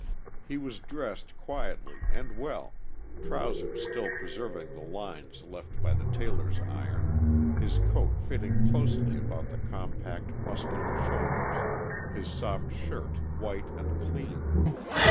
He was dressed quietly and well, trousers still preserving the lines left by the tailor's iron, his coat fitting closely about the compact muscular shoulders, his soft shirt white and clean.